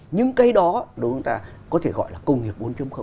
những cái đó đối với chúng ta có thể gọi là công nghiệp bốn